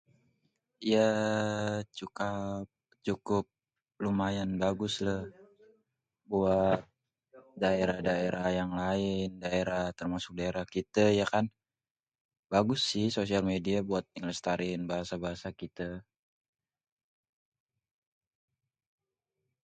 ya cukup lumayan bagus buat daerah-daerah yang lain, termasuk daerah, daerah kita ye kan, bagus sih sosial media buat ngelestariin bahasa-bahasa kita.